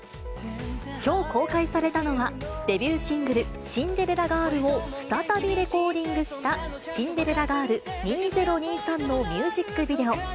きょう公開されたのは、デビューシングル、シンデレラガールを再びレコーディングした、シンデレラガール２０２３のミュージックビデオ。